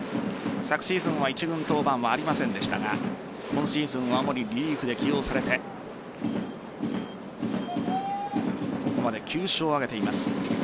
昨シーズンは一軍登板はありませんでしたが今シーズンは主にリリーフで起用されてここまで９勝を挙げています。